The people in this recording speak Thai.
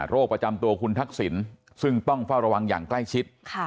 ประจำตัวคุณทักษิณซึ่งต้องเฝ้าระวังอย่างใกล้ชิด